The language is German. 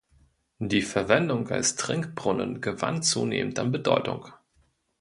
Die Verwendung als Trinkbrunnen gewann zunehmend an Bedeutung.